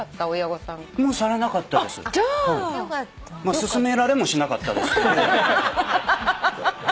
勧められもしなかったですけど。